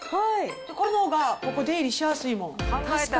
これのほうがここ出入りしやすいもん。